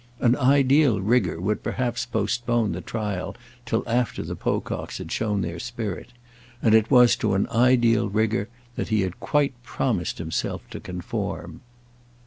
An ideal rigour would perhaps postpone the trial till after the Pococks had shown their spirit; and it was to an ideal rigour that he had quite promised himself to conform.